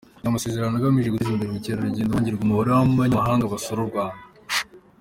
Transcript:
Ni amasezerano agamije guteza imbere ubukerarugendo, hongerwa umubare w’abanyamahanga basura u Rwanda.